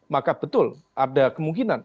maka betul ada kemungkinan